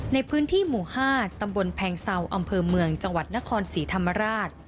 ในพื้นที่หมู่๕ตำบลแพงเซาอำเภอเมืองจังหวัดนครศรีธรรมราช